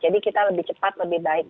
jadi kita lebih cepat lebih baik